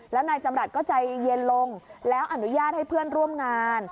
แล้วนายจำรัฐก็ใจเย็นลงแล้วอนุญาตให้เพื่อนร่วมงาน